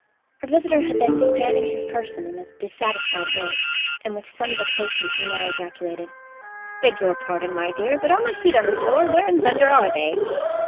Her visitor had been scanning his person in a dissatisfied way, and with some vexation he now ejaculated: "Beg your pardon, my dear, but are my feet on the floor, or where in thunder are they?"